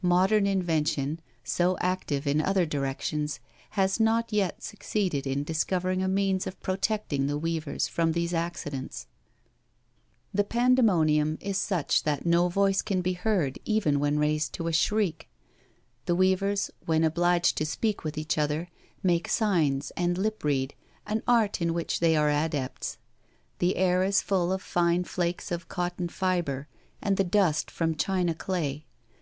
Modern in vention, so active in other directions, has not yet suc ceeded in discovering a means of protecting the weavers from these accidents. •.•••••••••••.••••...««*••*♦ i •••••., IN THE BLACK COUNTRY 3 The pandemonium b such that no voice can be heard even when raised to a shriek. The weavers^ when obliged to speak with each other, make signs and lip read, an art in which they are adepts. The air is full of fine flakes of cotton fibre and the dust front china day.